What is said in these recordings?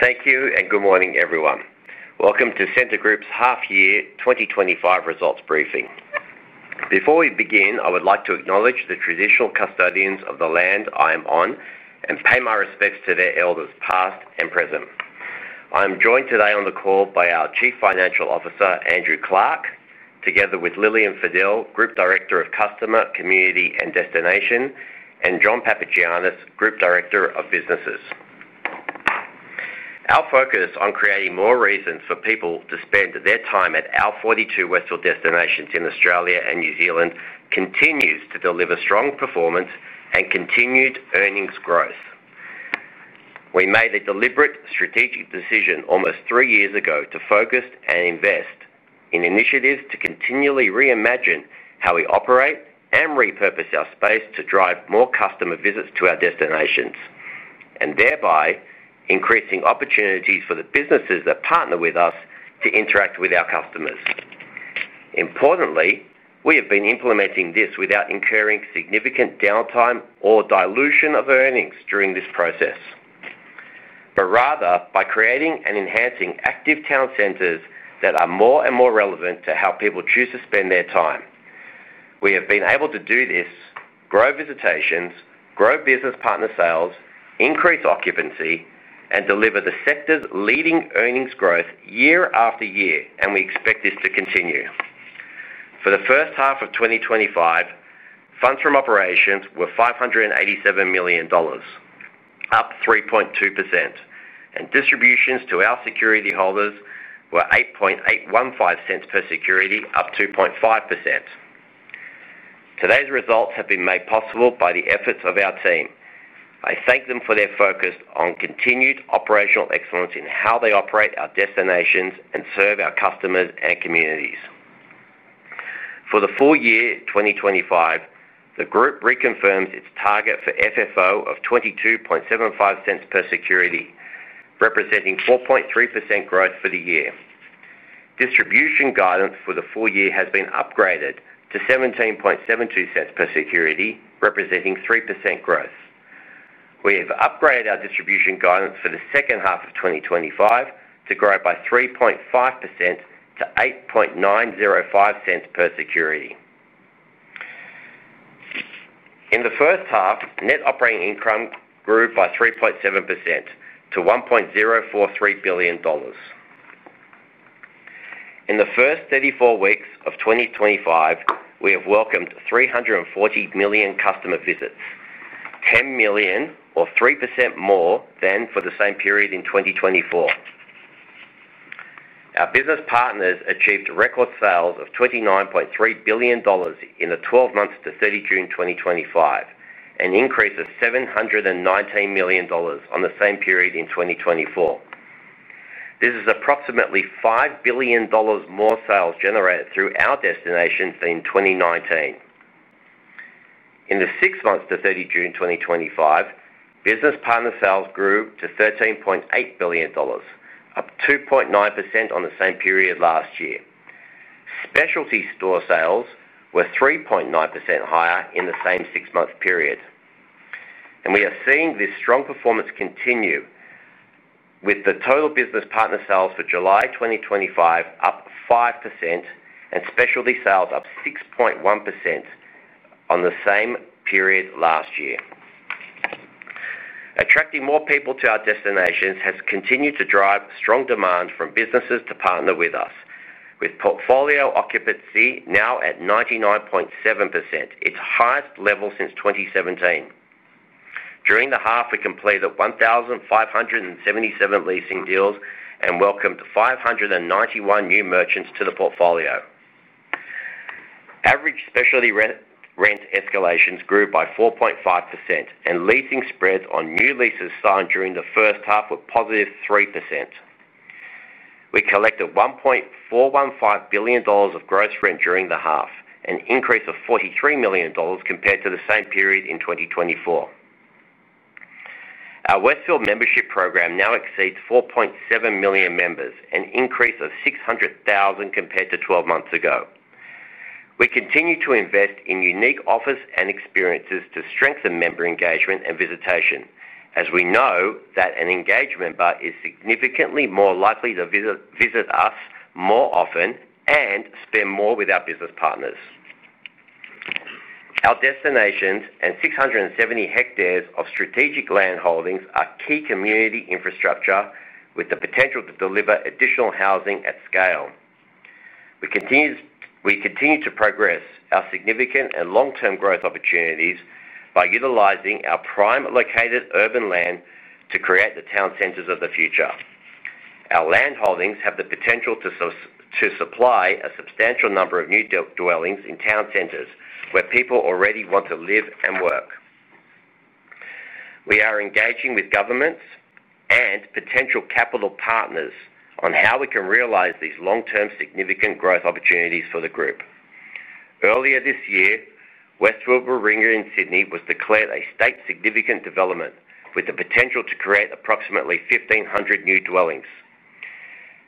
Thank you and good morning, everyone. Welcome to Scentre Group's half-year 2025 results briefing. Before we begin, I would like to acknowledge the traditional custodians of the land I am on and pay my respects to their elders past and present. I am joined today on the call by our Chief Financial Officer, Andrew Clarke, together with Lillian Fadel, Group Director of Customer, Community and Destination, and John Papagiannis, Group Director of Businesses. Our focus on creating more reasons for people to spend their time at our 42 Westfield destinations in Australia and New Zealand continues to deliver strong performance and continued earnings growth. We made a deliberate strategic decision almost three years ago to focus and invest in initiatives to continually reimagine how we operate and repurpose our space to drive more customer visits to our destinations, thereby increasing opportunities for the businesses that partner with us to interact with our customers. Importantly, we have been implementing this without incurring significant downtime or dilution of earnings during this process, but rather by creating and enhancing active town centers that are more and more relevant to how people choose to spend their time. We have been able to do this, grow visitations, grow business partner sales, increase occupancy, and deliver the sector's leading earnings growth year after year, and we expect this to continue. For the first half of 2025, funds from operations were 587 million dollars, up 3.2%, and distributions to our security holders were 0.08815 per security, up 2.5%. Today's results have been made possible by the efforts of our team. I thank them for their focus on continued operational excellence in how they operate our destinations and serve our customers and communities. For the full year 2025, the group reconfirms its target for FFO of 0.2275 per security, representing 4.3% growth for the year. Distribution guidance for the full year has been upgraded to 0.1772 per security, representing 3% growth. We have upgraded our distribution guidance for the second half of 2025 to grow by 3.5% to 0.08905 per security. In the first half, net operating income grew by 3.7% to 1.043 billion dollars. In the first 34 weeks of 2025, we have welcomed 340 million customer visits, 10 million or 3% more than for the same period in 2024. Our business partners achieved record sales of 29.3 billion dollars in the 12 months to 30 June 2025, an increase of 719 million dollars on the same period in 2024. This is approximately 5 billion dollars more sales generated through our destinations than in 2019. In the six months to 30 June 2025, business partner sales grew to 13.8 billion dollars, up 2.9% on the same period last year. Specialty store sales were 3.9% higher in the same six-month period. We have seen this strong performance continue with the total business partner sales for July 2025 up 5% and specialty sales up 6.1% on the same period last year. Attracting more people to our destinations has continued to drive strong demand from businesses to partner with us, with portfolio occupancy now at 99.7%, its highest level since 2017. During the half, we completed 1,577 leasing deals and welcomed 591 new merchants to the portfolio. Average specialty rent escalations grew by 4.5%, and leasing spreads on new leases signed during the first half were +3%. We collected 1.415 billion dollars of gross rent during the half, an increase of 43 million dollars compared to the same period in 2024. Our Westfield membership program now exceeds 4.7 million members, an increase of 600,000 compared to 12 months ago. We continue to invest in unique offers and experiences to strengthen member engagement and visitation, as we know that an engaged member is significantly more likely to visit us more often and spend more with our business partners. Our destinations and 670 hectares of strategic land holdings are key community infrastructure with the potential to deliver additional housing at scale. We continue to progress our significant and long-term growth opportunities by utilizing our prime located urban land to create the town centers of the future. Our land holdings have the potential to supply a substantial number of new dwellings in town centers where people already want to live and work. We are engaging with governments and potential capital partners on how we can realize these long-term significant growth opportunities for the group. Earlier this year, Westfield Warringah in Sydney was declared a State Significant Development with the potential to create approximately 1,500 new dwellings.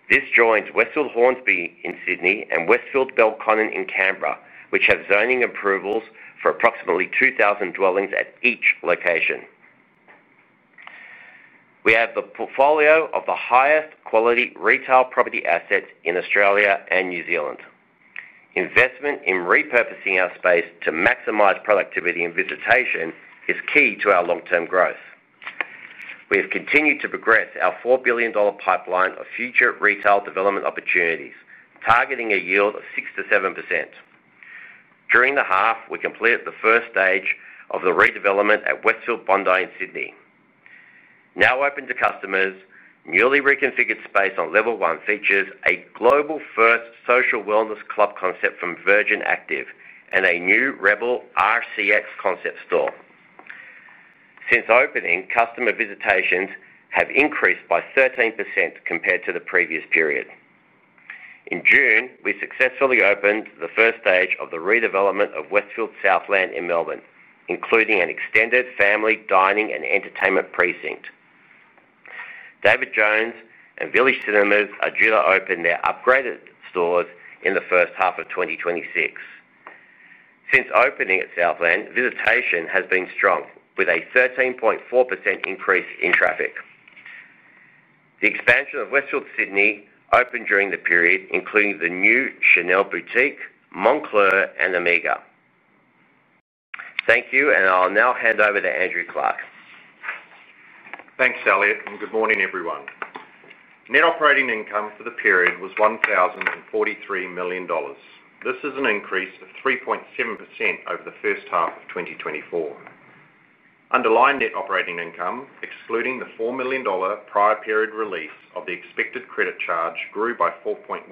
This joins Westfield Hornsby in Sydney and Westfield Belconnen in Canberra, which have zoning approvals for approximately 2,000 dwellings at each location. We have the portfolio of the highest quality retail property assets in Australia and New Zealand. Investment in repurposing our space to maximize productivity and visitation is key to our long-term growth. We have continued to progress our 4 billion dollar pipeline of future retail development opportunities, targeting a yield of 6%-7%. During the half, we completed the first stage of the redevelopment at Westfield Bondi in Sydney. Now open to customers, newly reconfigured space on level 1 features a global-first social wellness club concept from Virgin Active and a new rebel rCX concept store. Since opening, customer visitations have increased by 13% compared to the previous period. In June, we successfully opened the first stage of the redevelopment of Westfield Southland in Melbourne, including an extended family dining and entertainment precinct. David Jones and Village Cinemas are due to open their upgraded stores in the first half of 2026. Since opening at Southland, visitation has been strong, with a 13.4% increase in traffic. The expansion of Westfield Sydney opened during the period, including the new CHANEL boutique, Moncler, and Omega. Thank you, and I'll now hand over to Andrew Clarke. Thanks, Elliott, and good morning, everyone. Net operating income for the period was 1,043 million dollars. This is an increase of 3.7% over the first half of 2024. Underlying net operating income, excluding the 4 million dollar prior period relief of the expected credit charge, grew by 4.1%.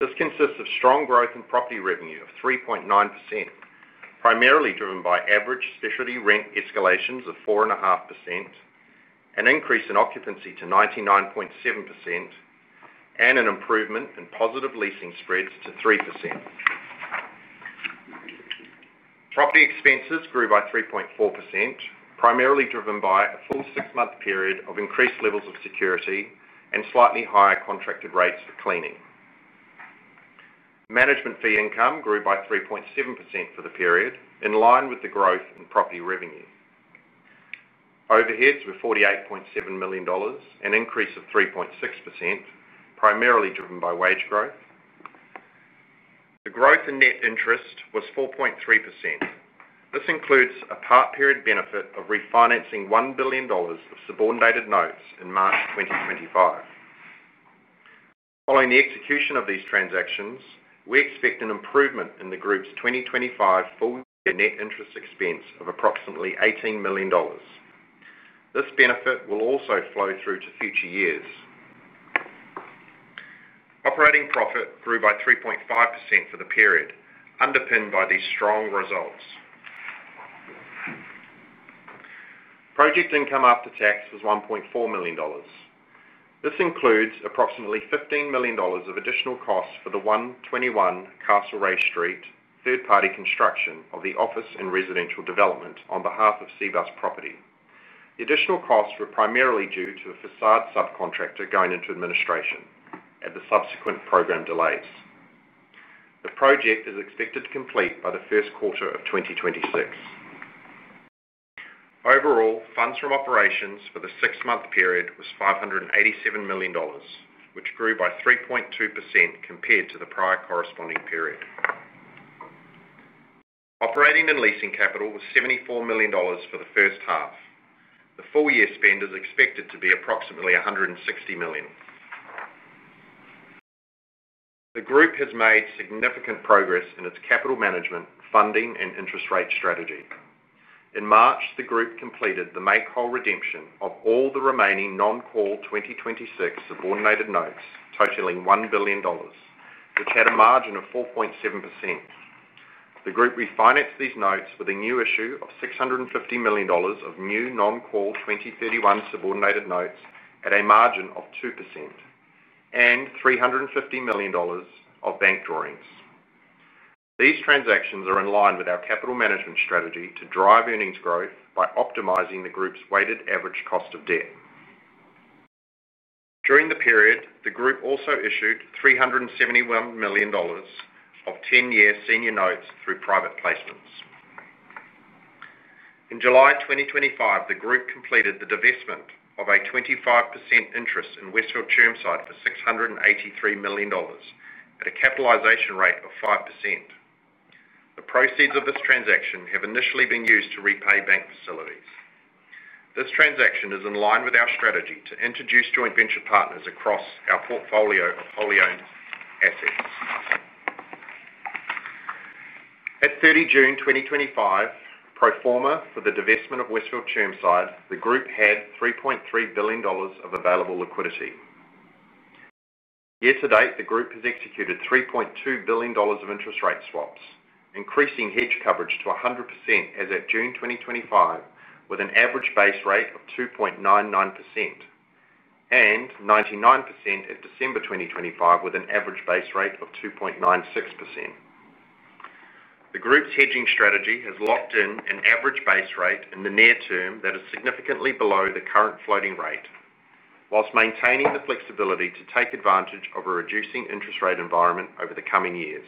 This consists of strong growth in property revenue of 3.9%, primarily driven by average specialty rent escalations of 4.5%, an increase in occupancy to 99.7%, and an improvement in positive leasing spreads to 3%. Property expenses grew by 3.4%, primarily driven by a full six-month period of increased levels of security and slightly higher contracted rates for cleaning. Management fee income grew by 3.7% for the period, in line with the growth in property revenue. Overheads were 48.7 million dollars, an increase of 3.6%, primarily driven by wage growth. The growth in net interest was 4.3%. This includes a part-period benefit of refinancing 1 billion dollars of subordinated notes in March 2025. Following the execution of these transactions, we expect an improvement in the group's 2025 full-year net interest expense of approximately 18 million dollars. This benefit will also flow through to future years. Operating profit grew by 3.5% for the period, underpinned by these strong results. Project income after tax was 1.4 million dollars. This includes approximately 15 million dollars of additional costs for the 121 Castlereagh Street third-party construction of the office and residential development on behalf of CBus Property. The additional costs were primarily due to a facade subcontractor going into administration and the subsequent program delays. The project is expected to complete by the first quarter of 2026. Overall, funds from operations for the six-month period was 587 million dollars, which grew by 3.2% compared to the prior corresponding period. Operating and leasing capital was 74 million dollars for the first half. The full-year spend is expected to be approximately 160 million. The group has made significant progress in its capital management, funding, and interest rate strategy. In March, the group completed the make-whole redemption of all the remaining non-call 2026 subordinated notes, totaling 1 billion dollars, which had a margin of 4.7%. The group refinanced these notes with a new issue of 650 million dollars of new non-call 2031 subordinated notes at a margin of 2% and 350 million dollars of bank drawings. These transactions are in line with our capital management strategy to drive earnings growth by optimizing the group's weighted average cost of debt. During the period, the group also issued 371 million dollars of 10-year senior notes through private placements. In July 2025, the group completed the divestment of a 25% interest in Westfield Chermside for 683 million dollars at a capitalization rate of 5%. The proceeds of this transaction have initially been used to repay bank facilities. This transaction is in line with our strategy to introduce joint venture partners across our portfolio of wholly owned assets. At 30 June 2025, pro forma for the divestment of Westfield Chermside, the group had 3.3 billion dollars of available liquidity. Year to date, the group has executed 3.2 billion dollars of interest rate swaps, increasing hedge coverage to 100% as of June 2025, with an average base rate of 2.99%, and 99% at December 2025, with an average base rate of 2.96%. The group's hedging strategy has locked in an average base rate in the near term that is significantly below the current floating rate, whilst maintaining the flexibility to take advantage of a reducing interest rate environment over the coming years.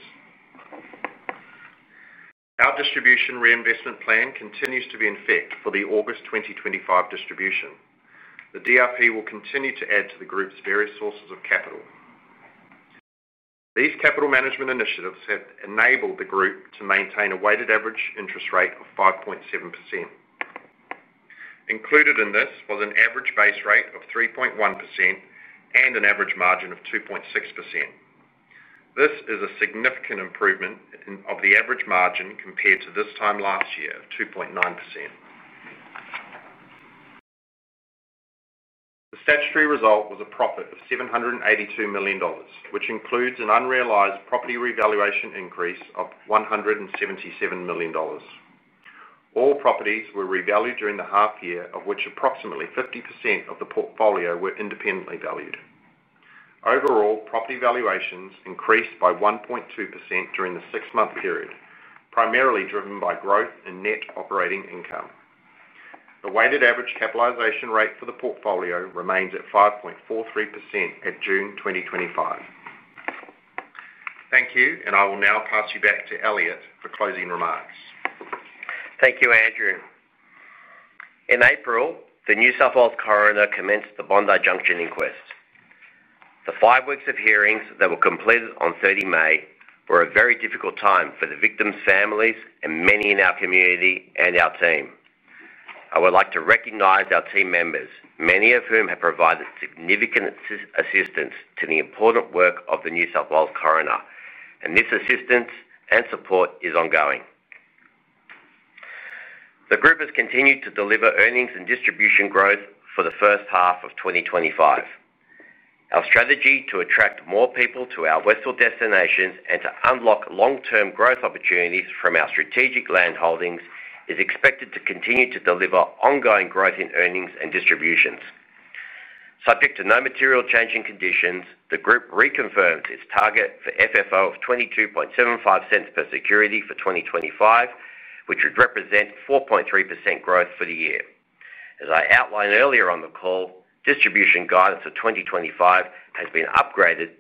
Our distribution reinvestment plan continues to be in effect for the August 2025 distribution. The DRP will continue to add to the group's various sources of capital. These capital management initiatives have enabled the group to maintain a weighted average interest rate of 5.7%. Included in this was an average base rate of 3.1% and an average margin of 2.6%. This is a significant improvement of the average margin compared to this time last year of 2.9%. The statutory result was a profit of 782 million dollars, which includes an unrealized property revaluation increase of 177 million dollars. All properties were revalued during the half year, of which approximately 50% of the portfolio were independently valued. Overall, property valuations increased by 1.2% during the six-month period, primarily driven by growth in net operating income. The weighted average cap rate for the portfolio remains at 5.43% at June 2025. Thank you, and I will now pass you back to Elliott for closing remarks. Thank you, Andrew. In April, the New South Wales Coroner commenced the Bondi Junction inquest. The five weeks of hearings that were completed on May 30 were a very difficult time for the victims' families and many in our community and our team. I would like to recognize our team members, many of whom have provided significant assistance to the important work of the New South Wales coroner, and this assistance and support is ongoing. The group has continued to deliver earnings and distribution growth for the first half of 2025. Our strategy to attract more people to our Westfield destinations and to unlock long-term growth opportunities from our strategic land holdings is expected to continue to deliver ongoing growth in earnings and distributions. Subject to no material change in conditions, the group reconfirmed its target for FFO of 0.2275 per security for 2025, which would represent 4.3% growth for the year. As I outlined earlier on the call, distribution guidance for 2025 has been upgraded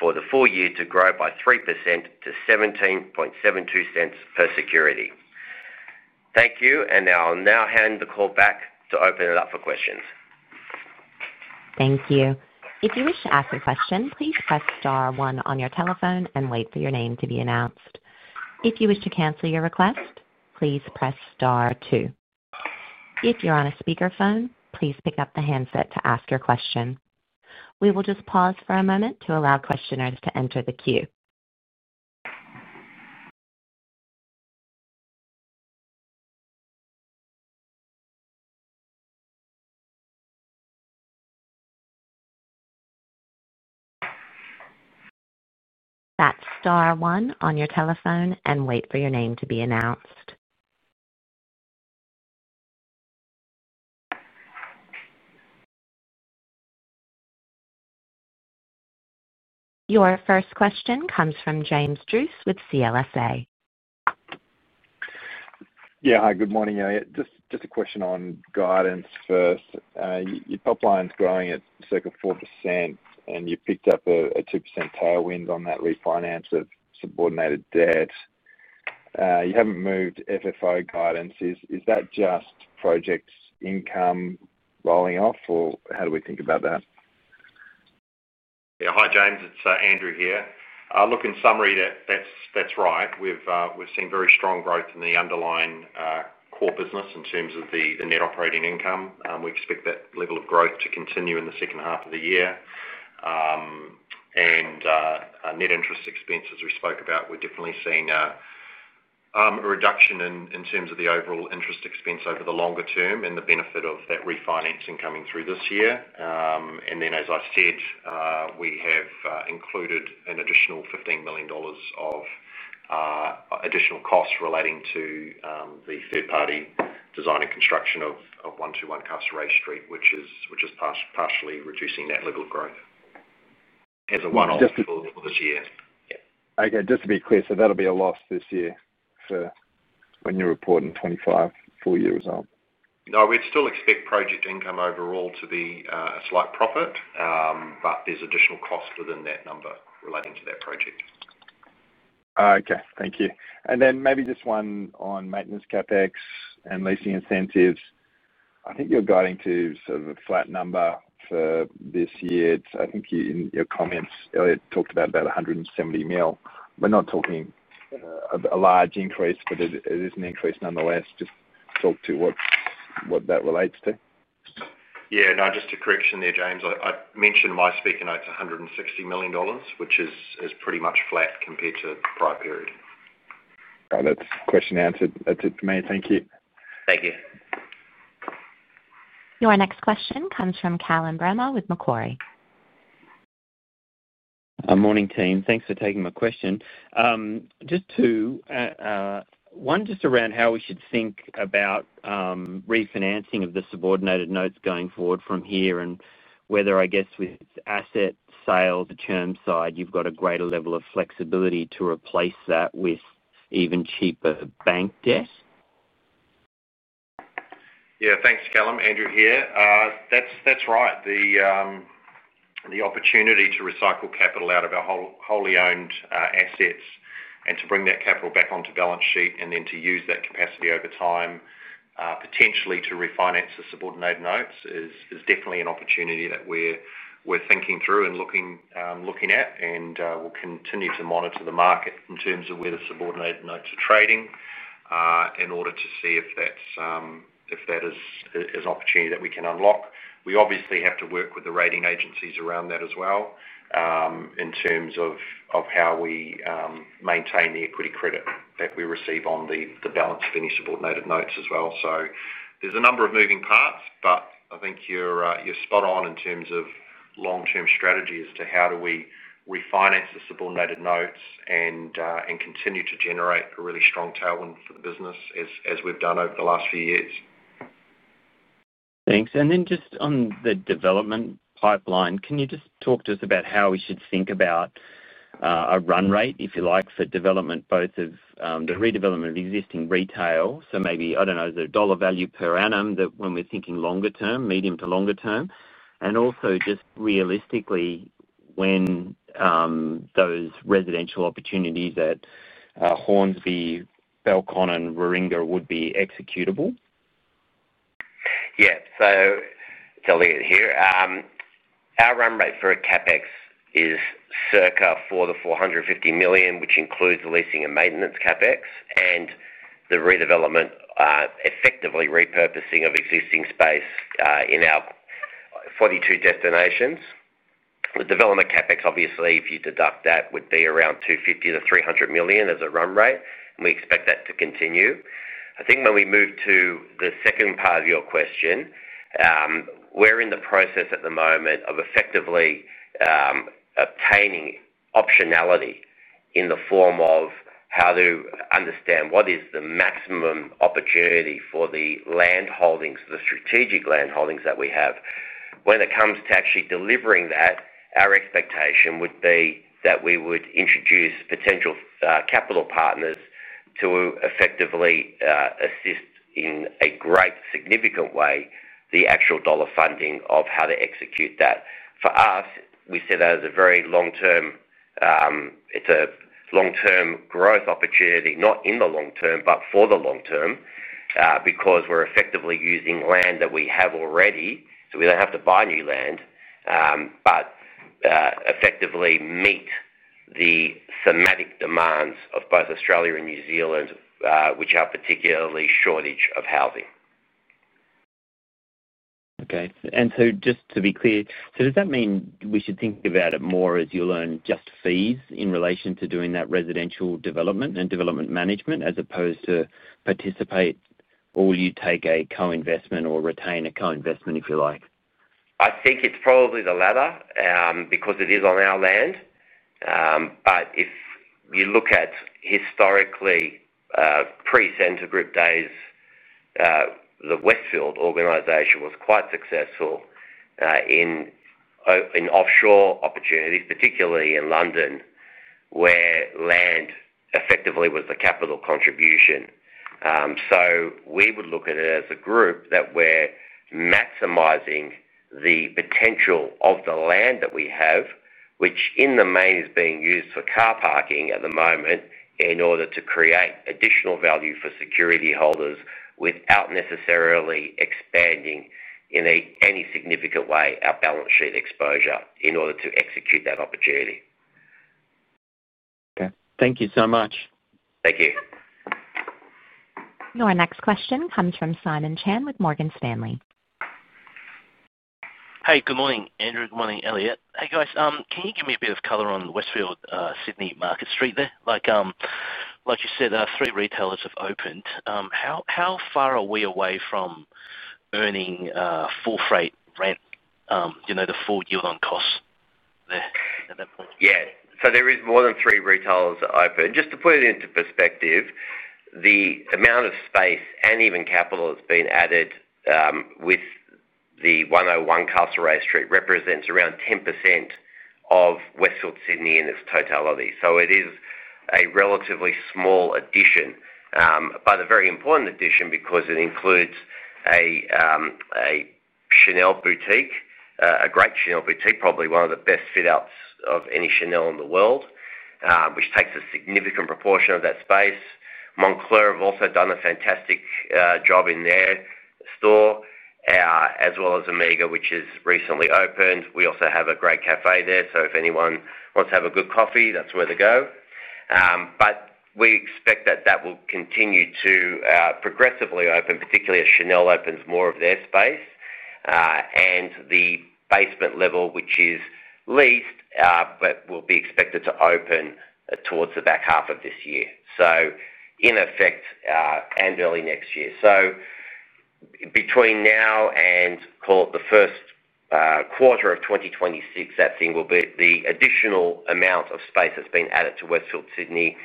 for the full year to grow by 3% to 0.1772 per security. Thank you, and I'll now hand the call back to open it up for questions. Thank you. If you wish to ask a question, please press star one on your telephone and wait for your name to be announced. If you wish to cancel your request, please press star two. If you're on a speakerphone, please pick up the handset to ask your question. We will just pause for a moment to allow questioners to enter the queue. That's star one on your telephone and wait for your name to be announced. Your first question comes from James Druce with CLSA. Yeah, hi, good morning, Elliott. Just a question on guidance first. Your top line's growing at circa 4% and you picked up a 2% tailwind on that refinance of subordinated debt. You haven't moved FFO guidance. Is that just project's income rolling off or how do we think about that? Yeah, hi, James. It's Andrew here. Look, in summary, that's right. We've seen very strong growth in the underlying core business in terms of the net operating income. We expect that level of growth to continue in the second half of the year. Our net interest expenses we spoke about, we're definitely seeing a reduction in terms of the overall interest expense over the longer term and the benefit of that refinancing coming through this year. As I said, we have included an additional 15 million dollars of additional costs relating to the third-party design and construction of 121 Castlereagh Street, which is partially reducing that level of growth as a one-off for this year. Okay, just to be clear, so that'll be a loss this year for when you're reporting 2025 full-year results? No, we'd still expect project income overall to be a slight profit, but there's additional costs within that number relating to that project. Okay, thank you. Maybe just one on maintenance CapEx and leasing incentives. I think you're guiding to sort of a flat number for this year. I think in your comments, Elliott talked about about 170 million, we're not talking about a large increase, but there's an increase nonetheless. Just talk to what that relates to. Yeah, no, just a correction there, James. I mentioned my speaker note's 160 million dollars, which is pretty much flat compared to the prior period. Okay, that's question answered. That's it for me. Thank you. Thank you. Your next question comes from Carolyn Brunner with Macquarie. Morning team, thanks for taking my question. Just around how we should think about refinancing of the subordinated notes going forward from here and whether, with asset sale the term side, you've got a greater level of flexibility to replace that with even cheaper bank debt. Yeah, thanks, Callum. Andrew here. That's right. The opportunity to recycle capital out of our wholly owned assets and to bring that capital back onto balance sheet and then to use that capacity over time, potentially to refinance the subordinated notes, is definitely an opportunity that we're thinking through and looking at. We'll continue to monitor the market in terms of where the subordinated notes are trading in order to see if that is an opportunity that we can unlock. We obviously have to work with the rating agencies around that as well in terms of how we maintain the equity credit that we receive on the balance sheet in your subordinated notes as well. There are a number of moving parts, but I think you're spot on in terms of long-term strategies to how do we refinance the subordinated notes and continue to generate a really strong tailwind for the business as we've done over the last few years. Thanks. Just on the development pipeline, can you talk to us about how we should think about a run rate, if you like, for development, both of the redevelopment of existing retail? Maybe, I don't know, the dollar value per annum that when we're thinking longer term, medium to longer term, and also just realistically when those residential opportunities at Hornsby, Belconnen, and Warringah would be executable? Yeah, so it's Elliott here. Our run rate for CapEx is circa 400 million-450 million, which includes the leasing and maintenance CapEx and the redevelopment, effectively repurposing of existing space in our 42 destinations. The development CapEx, obviously, if you deduct that, would be around 250 million-300 million as a run rate, and we expect that to continue. I think when we move to the second part of your question, we're in the process at the moment of effectively obtaining optionality in the form of how to understand what is the maximum opportunity for the land holdings, the strategic land holdings that we have. When it comes to actually delivering that, our expectation would be that we would introduce potential capital partners to effectively assist in a great significant way the actual dollar funding of how to execute that. For us, we see that as a very long-term, it's a long-term growth opportunity, not in the long term, but for the long term, because we're effectively using land that we have already, so we don't have to buy new land, but effectively meet the thematic demands of both Australia and New Zealand, which are particularly shortage of housing. Okay, just to be clear, does that mean we should think about it more as you earn just fees in relation to doing that residential development and development management as opposed to participate, or will you take a co-investment or retain a co-investment if you like? I think it's probably the latter because it is on our land. If you look at historically pre-Scentre Group days, the Westfield organization was quite successful in offshore opportunities, particularly in London, where land effectively was the capital contribution. We would look at it as a group that we're maximizing the potential of the land that we have, which in the main is being used for car parking at the moment in order to create additional value for security holders without necessarily expanding in any significant way our balance sheet exposure in order to execute that opportunity. Okay, thank you so much. Thank you. Your next question comes from Simon Chan with Morgan Stanley. Hey, good morning, Andrew. Good morning, Elliott. Hey guys, can you give me a bit of color on Westfield Sydney Market Street there? Like you said, three retailers have opened. How far are we away from earning full freight rent, you know, the full yield on cost there at that point? Yeah, so there is more than three retailers that are open. Just to put it into perspective, the amount of space and even capital that's been added with the 101 Castlereagh Street represents around 10% of Westfield Sydney in its totality. It is a relatively small addition, but a very important addition because it includes a CHANEL boutique, a great CHANEL boutique, probably one of the best fit-outs of any CHANEL in the world, which takes a significant proportion of that space. Moncler have also done a fantastic job in their store, as well as Omega, which has recently opened. We also have a great café there, so if anyone wants to have a good coffee, that's where they go. We expect that will continue to progressively open, particularly as CHANEL opens more of their space and the basement level, which is leased, but will be expected to open towards the back half of this year. In effect, and early next year, between now and call it the first quarter of 2026, the additional amount of space that's been added to Westfield Sydney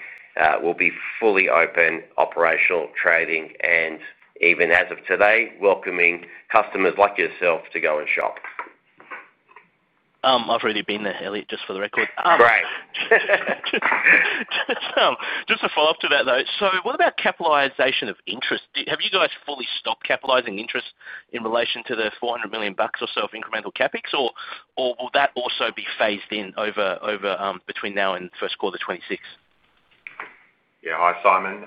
will be fully open, operational, trading, and even as of today, welcoming customers like yourself to go and shop. I've already been there, Elliott, just for the record. Great. Just to follow up to that though, what about capitalization of interest? Have you guys fully stopped capitalizing interest in relation to the 400 million bucks or so of incremental CapEx, or will that also be phased in over between now and the first quarter of 2026? Yeah, hi, Simon.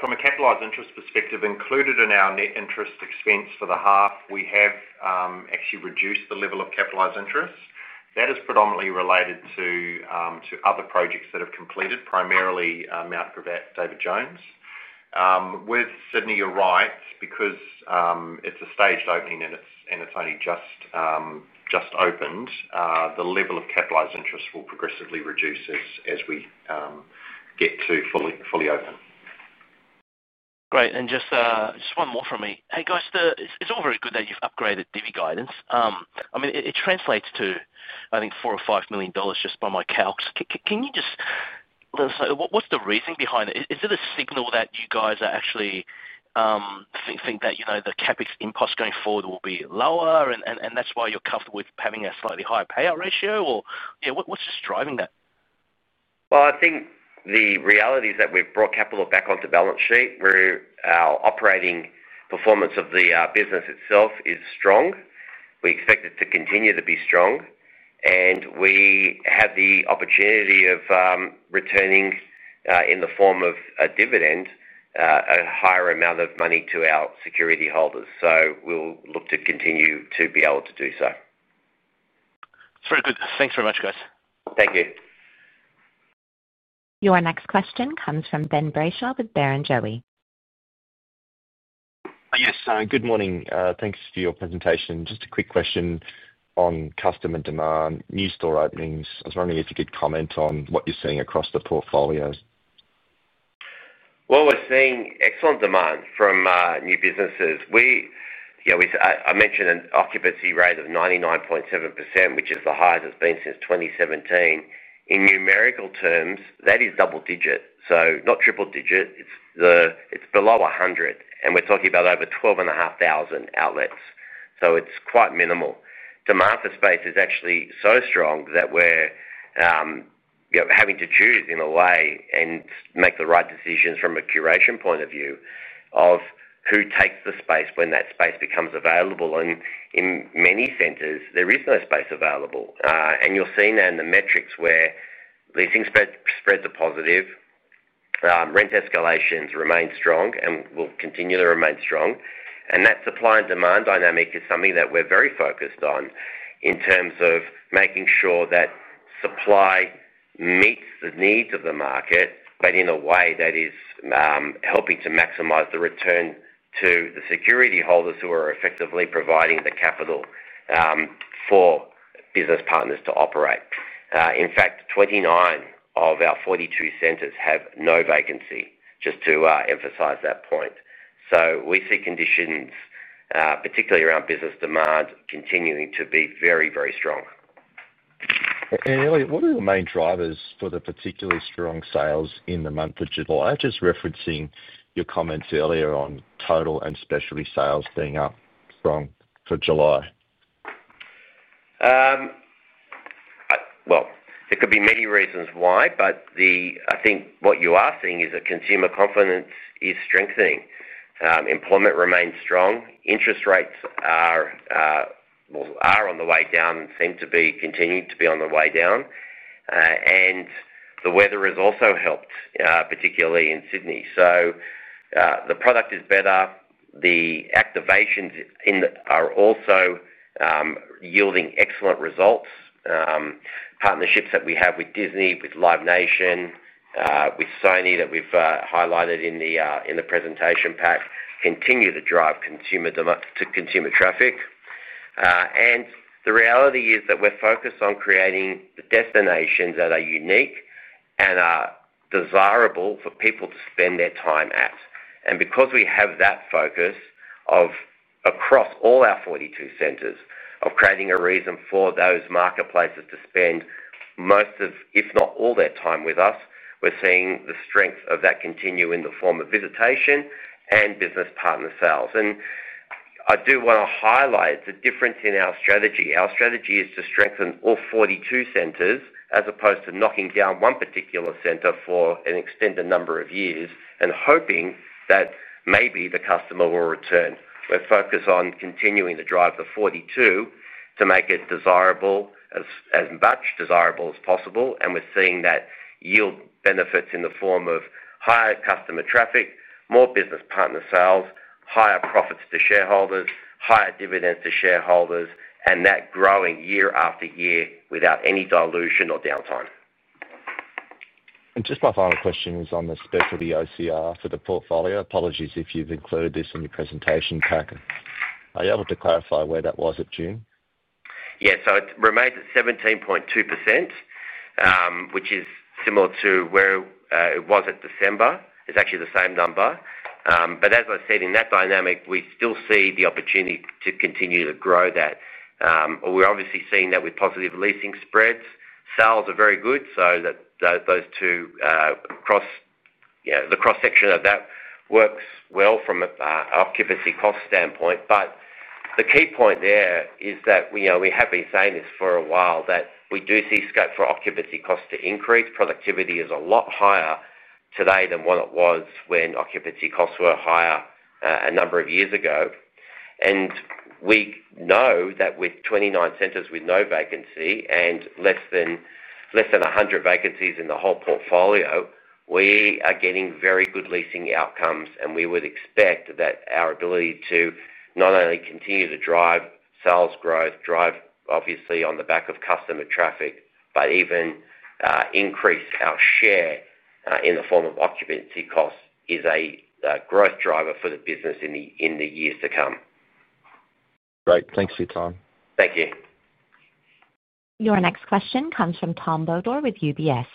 From a capitalized interest perspective, included in our net interest expense for the half, we have actually reduced the level of capitalized interest. That is predominantly related to other projects that have completed, primarily Mt Gravatt, David Jones. With Sydney, you're right, because it's a staged opening and it's only just opened, the level of capitalized interest will progressively reduce as we get to fully open. Great, and just one more from me. Hey guys, it's all very good that you've upgraded [divvy] guidance. I mean, it translates to, I think, 4 million or 5 million dollars just by my calcs. Can you just let us know what's the reasoning behind it? Is it a signal that you guys actually think that you know the CapEx impost going forward will be lower and that's why you're comfortable with having a slightly higher payout ratio, or, yeah, what's just driving that? I think the reality is that we've brought capital back onto balance sheet. Our operating performance of the business itself is strong. We expect it to continue to be strong, and we have the opportunity of returning in the form of a dividend a higher amount of money to our security holders. We'll look to continue to be able to do so. Thanks very much, guys. Thank you. Your next question comes from Ben Brayshaw with Barrenjoey. Yes, good morning. Thanks for your presentation. Just a quick question on customer demand, new store openings. I was wondering if you could comment on what you're seeing across the portfolio. We're seeing excellent demand from new businesses. I mentioned an occupancy rate of 99.7%, which is the highest it's been since 2017. In numerical terms, that is double digit, so not triple digit. It's below 100 and we're talking about over 12,500 outlets. It's quite minimal. Demand for space is actually so strong that we're having to choose in a way and make the right decisions from a curation point of view of who takes the space when that space becomes available. In many centres, there is no space available. You'll see now in the metrics where leasing spreads are positive, rent escalations remain strong and will continue to remain strong. That supply and demand dynamic is something that we're very focused on in terms of making sure that supply meets the needs of the market, but in a way that is helping to maximize the return to the security holders who are effectively providing the capital for business partners to operate. In fact, 29 of our 42 centres have no vacancy, just to emphasize that point. We see conditions, particularly around business demands, continuing to be very, very strong. Elliott, what are the main drivers for the particularly strong sales in the month of July? Just referencing your comments earlier on total and specialty sales being up strong for July. There could be many reasons why, but I think what you are seeing is that consumer confidence is strengthening. Employment remains strong. Interest rates are on the way down and seem to be continuing to be on the way down. The weather has also helped, particularly in Sydney. The product is better. The activations are also yielding excellent results. Partnerships that we have with Disney, with Live Nation, with Sony that we've highlighted in the presentation pack continue to drive consumer traffic. The reality is that we're focused on creating the destinations that are unique and desirable for people to spend their time at. Because we have that focus across all our 42 centers of creating a reason for those marketplaces to spend most of, if not all, their time with us, we're seeing the strength of that continue in the form of visitation and business partner sales. I do want to highlight the difference in our strategy. Our strategy is to strengthen all 42 centers as opposed to knocking down one particular center for an extended number of years and hoping that maybe the customer will return. We're focused on continuing to drive the 42 to make it as desirable as possible. We're seeing that yield benefits in the form of higher customer traffic, more business partner sales, higher profits to shareholders, higher dividends to shareholders, and that growing year after year without any dilution or downtime. My final question was on the specs for the OCR for the portfolio. Apologies if you've included this in your presentation pack. Are you able to clarify where that was at June? Yeah, so it remains at 17.2%, which is similar to where it was at December. It's actually the same number. As I said, in that dynamic, we still see the opportunity to continue to grow that. We're obviously seeing that with positive leasing spreads. Sales are very good, so those two cross, you know, the cross-section of that works well from an occupancy cost standpoint. The key point there is that, you know, we have been saying this for a while, that we do see scope for occupancy costs to increase. Productivity is a lot higher today than what it was when occupancy costs were higher a number of years ago. We know that with 29 centers with no vacancy and less than 100 vacancies in the whole portfolio, we are getting very good leasing outcomes. We would expect that our ability to not only continue to drive sales growth, drive obviously on the back of customer traffic, but even increase our share in the form of occupancy costs is a growth driver for the business in the years to come. Great, thanks for your time. Thank you. Your next question comes from Tom Bodor with UBS.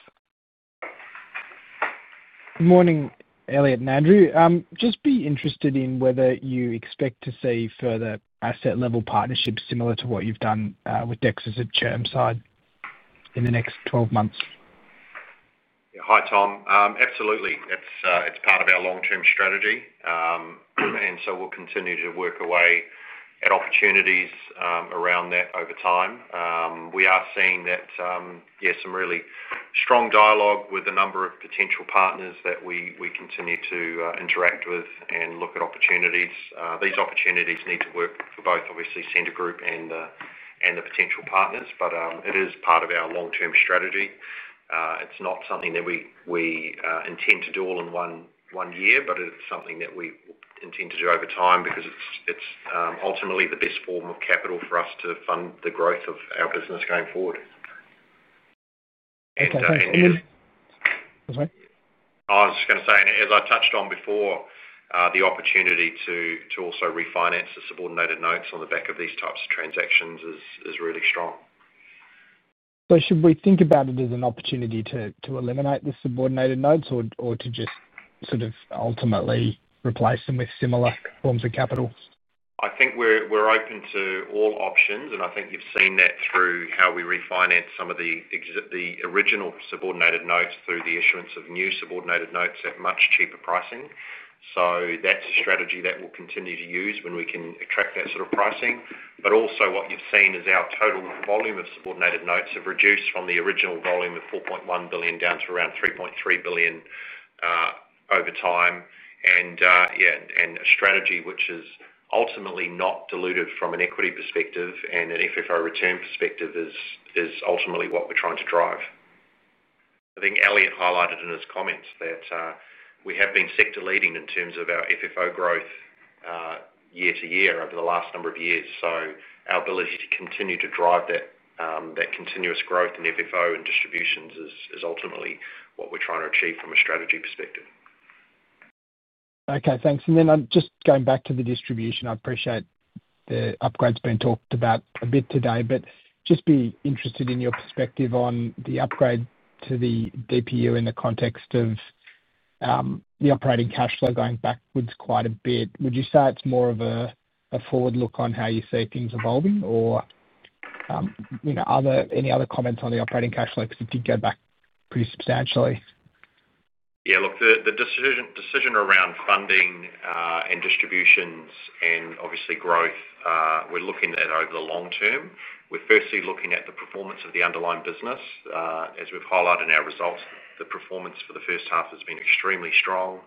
Good morning, Elliott and Andrew. Just be interested in whether you expect to see further asset-level partnerships similar to what you've done with Dexus at Chermside in the next 12 months. Yeah, hi Tom. Absolutely. It's part of our long-term strategy. We'll continue to work away at opportunities around that over time. We are seeing some really strong dialogue with a number of potential partners that we continue to interact with and look at opportunities. These opportunities need to work for both, obviously, Scentre Group and the potential partners, but it is part of our long-term strategy. It's not something that we intend to do all in one year, but it's something that we intend to do over time because it's ultimately the best form of capital for us to fund the growth of our business going forward. Excellent. I'm sorry? I was just going to say, as I touched on before, the opportunity to also refinance the subordinated notes on the back of these types of transactions is really strong. Should we think about it as an opportunity to eliminate the subordinated notes or to just ultimately replace them with similar forms of capital? I think we're open to all options, and I think you've seen that through how we refinance some of the original subordinated notes through the issuance of new subordinated notes at much cheaper pricing. That's a strategy that we'll continue to use when we can attract that sort of pricing. Also, what you've seen is our total volume of subordinated notes has reduced from the original volume of 4.1 billion down to around 3.3 billion over time. A strategy which is ultimately not dilutive from an equity perspective and an FFO return perspective is ultimately what we're trying to drive. I think Elliott highlighted in his comments that we have been sector-leading in terms of our FFO growth year to year over the last number of years. Our ability to continue to drive that continuous growth in FFO and distributions is ultimately what we're trying to achieve from a strategy perspective. Okay, thanks. Just going back to the distribution, I appreciate the upgrades being talked about a bit today, but just be interested in your perspective on the upgrade to the DPU in the context of the operating cash flow going backwards quite a bit. Would you say it's more of a forward look on how you see things evolving or, you know, any other comments on the operating cash flow because it did go back pretty substantially? Yeah, look, the decision around funding and distributions and obviously growth, we're looking at over the long term. We're firstly looking at the performance of the underlying business. As we've highlighted in our results, the performance for the first half has been extremely strong,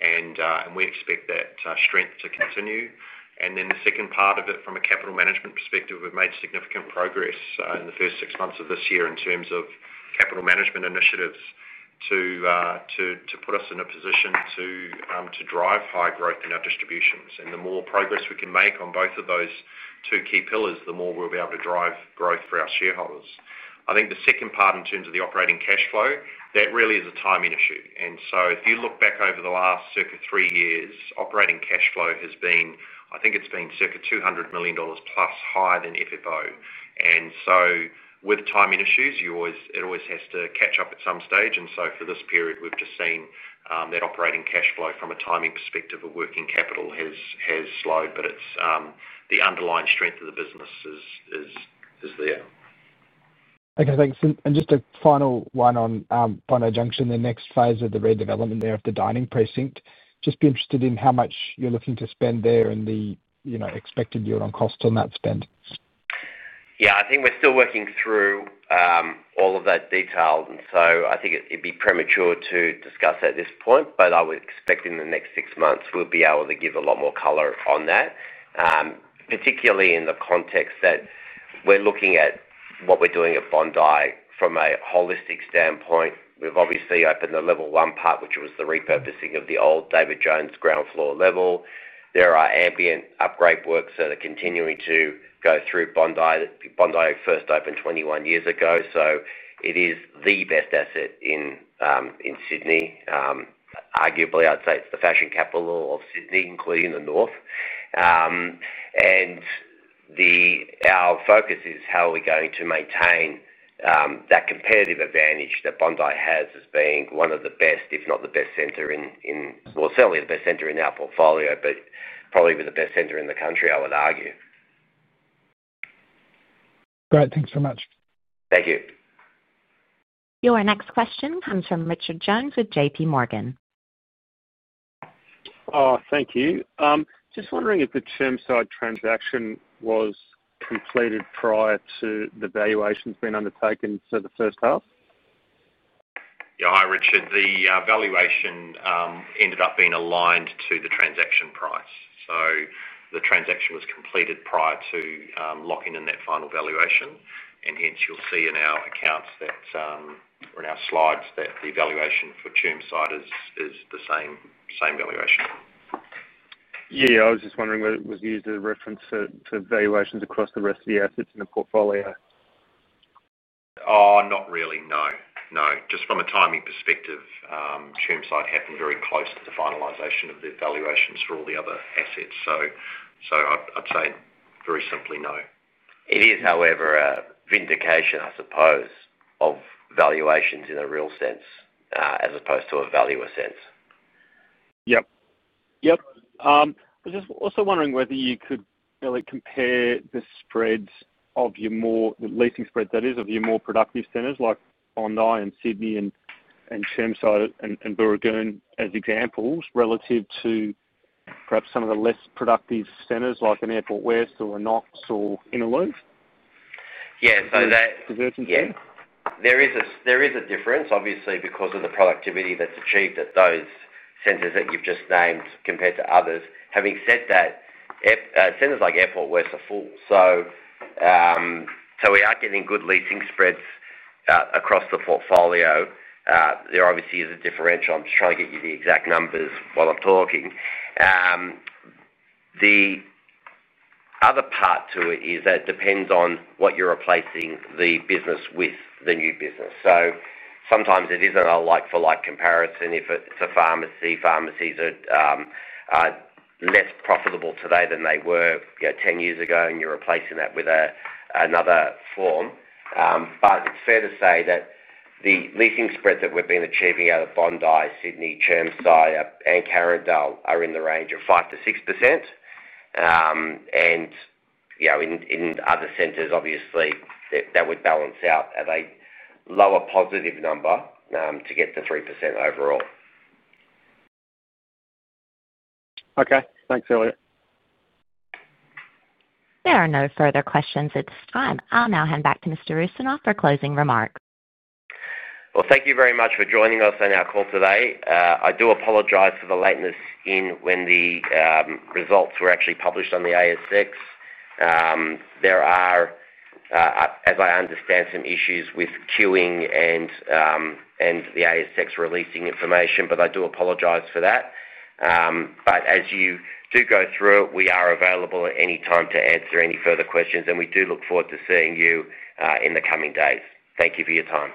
and we expect that strength to continue. The second part of it, from a capital management perspective, we've made significant progress in the first six months of this year in terms of capital management initiatives to put us in a position to drive higher growth in our distributions. The more progress we can make on both of those two key pillars, the more we'll be able to drive growth for our shareholders. I think the second part in terms of the operating cash flow, that really is a timing issue. If you look back over the last circa three years, operating cash flow has been, I think it's been circa 200 million dollars plus higher than FFO. With timing issues, it always has to catch up at some stage. For this period, we've just seen that operating cash flow from a timing perspective of working capital has slowed, but the underlying strength of the business is there. Okay, thanks. Just a final one on Bondi Junction, the next phase of the redevelopment there at the dining precinct. Just be interested in how much you're looking to spend there and the expected yield on cost on that spend. Yeah, I think we're still working through all of that detail, and I think it'd be premature to discuss at this point, but I would expect in the next six months we'll be able to give a lot more color on that, particularly in the context that we're looking at what we're doing at Bondi from a holistic standpoint. We've obviously opened the level 1 part, which was the repurposing of the old David Jones ground floor level. There are ambient upgrade works that are continuing to go through Bondi. Bondi first opened 21 years ago, so it is the best asset in Sydney. Arguably, I'd say it's the fashion capital of Sydney, including the north. Our focus is how we're going to maintain that competitive advantage that Bondi has as being one of the best, if not the best center in, certainly the best center in our portfolio, but probably the best center in the country, I would argue. Great, thanks so much. Thank you. Your next question comes from Richard Jones with JPMorgan. Oh, thank you. Just wondering if the Chermside transaction was completed prior to the valuations being undertaken for the first half? Yeah, hi Richard. The valuation ended up being aligned to the transaction price. The transaction was completed prior to locking in that final valuation. You'll see in our accounts, or in our slides, that the valuation for Chermside is the same valuation. Yeah, I was just wondering whether it was used as a reference to valuations across the rest of the assets in the portfolio. Oh, not really, no. No, just from a timing perspective, Chermside happened very close to the finalization of the valuations for all the other assets. I'd say very simply no. It is, however, a vindication, I suppose, of valuations in a real sense as opposed to a value assess. I was just also wondering whether you could really compare the spreads of your more, the leasing spreads that is, of your more productive centres like Bondi and Sydney and Chermside and Booragoon as examples relative to perhaps some of the less productive centres like an Airport West or a Knox or Innaloo? Yeah, so there is a difference, obviously because of the productivity that's achieved at those centers that you've just named compared to others. Having said that, centers like Airport West are full. We are getting good leasing spreads across the portfolio. There obviously is a differential. I'm just trying to get you the exact numbers while I'm talking. The other part to it is that it depends on what you're replacing the business with, the new business. Sometimes it isn't a like-for-like comparison if it's a pharmacy. Pharmacies are less profitable today than they were, you know, 10 years ago and you're replacing that with another form. It's fair to say that the leasing spread that we've been achieving out of Bondi, Sydney, Chermside, and Carindale are in the range of 5%-6%. In other centers, obviously, that would balance out at a lower positive number to get the 3% overall. Okay, thanks, Elliott. There are no further questions at this time. I'll now hand back to Mr. Rusanow for closing remarks. Thank you very much for joining us on our call today. I do apologize for the lateness in when the results were actually published on the ASX. There are, as I understand, some issues with queuing and the ASX releasing information. I do apologize for that. As you go through it, we are available at any time to answer any further questions, and we do look forward to seeing you in the coming days. Thank you for your time.